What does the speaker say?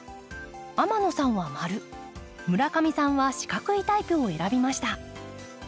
天野さんは丸村上さんは四角いタイプを選びました。